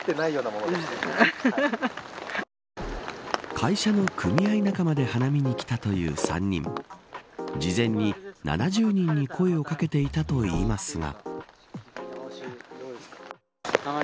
会社の組合仲間で花見に来たという３人事前に７０人に声をかけていたといいますが。